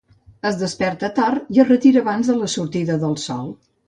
Es desperta tard i es retira abans de la sortida del sol.